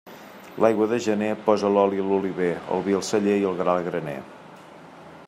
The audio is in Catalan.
L'aigua de gener posa l'oli a l'oliver, el vi al celler i el gra al graner.